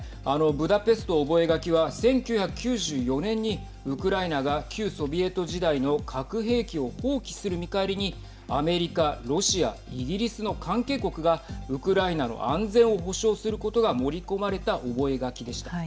ブダペスト覚書は１９９４年にウクライナが旧ソビエト時代の核兵器を放棄する見返りにアメリカ、ロシアイギリスの関係国がウクライナの安全を保障することが盛り込まれた覚書でした。